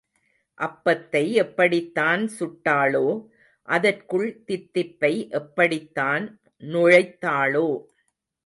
அப்பத்தை எப்படித்தான் சுட்டாளோ அதற்குள் தித்திப்பை எப்படித்தான் நுழைத்தாளோ?